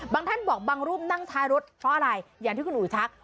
ท่านบอกบางรูปนั่งท้ายรถเพราะอะไรอย่างที่คุณอู๋ชัก